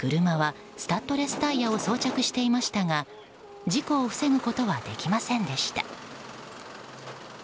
車はスタッドレスタイヤを装着していましたが事故を防ぐことはできませんでした。